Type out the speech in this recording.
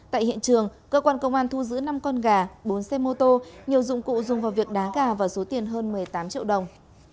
tại hiện trường cơ quan công an thu giữ năm con gà bốn xe mô tô nhiều dụng cụ dùng vào việc đá gà và số tiền hơn một mươi tám triệu đồng